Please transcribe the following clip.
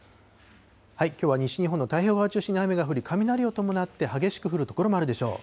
きょうは西日本の太平洋側を中心に雨が降り、雷を伴って激しく降る所もあるでしょう。